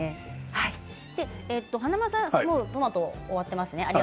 華丸さんはトマトが終わっていますね。